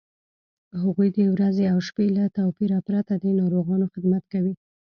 هغوی د ورځې او شپې له توپیره پرته د ناروغانو خدمت کوي.